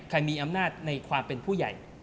มีอำนาจในความเป็นผู้ใหญ่